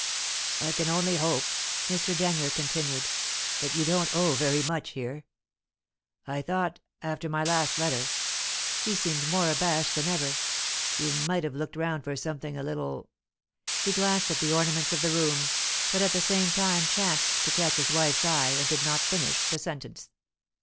"I can only hope," Mr. Denyer continued, "that you don't owe very much here. I thought, after my last letter" he seemed more abashed than ever "you might have looked round for something a little " He glanced at the ornaments of the room, but at the same time chanced to catch his wife's eye, and did not finish the sentence.